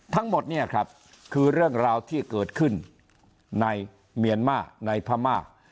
ทั้งหมดเนี่ยครับคือเรื่องราวที่เกิดขึ้นในเมียนมาร์ในพม่า